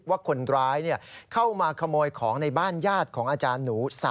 ว่าคนร้ายเข้ามาขโมยของในบ้านญาติของอาจารย์หนู๓